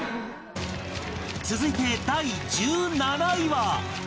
続いて第１７位は